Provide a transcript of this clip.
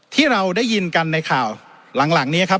ที่เราได้ยินกันในข่าวหลังนี้ครับ